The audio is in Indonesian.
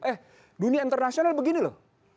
eh dunia internasional begini loh